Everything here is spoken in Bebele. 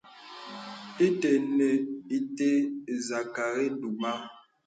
Ite nə̀ ite zakari dumə.